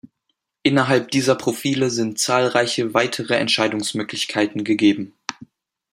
Innerhalb dieser Profile sind zahlreiche weitere Entscheidungsmöglichkeiten gegeben.